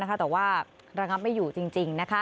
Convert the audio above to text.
แต่ว่าระงับไม่อยู่จริง